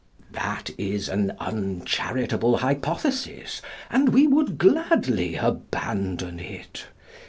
That is an uncharitable hypothesis, and we would gladly abandon it.